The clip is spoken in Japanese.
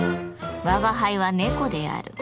吾輩は猫である。